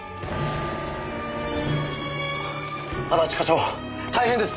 安達課長大変です！